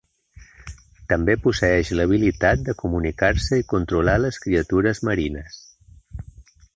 També posseeix l'habilitat de comunicar-se i controlar les criatures marines.